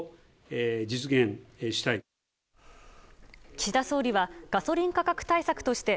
岸田総理はガソリン価格対策として